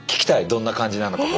どんな感じなのか方言。